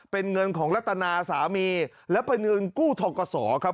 เป็นเงินของรัตนาสามีและเป็นเงินกู้ทกศครับ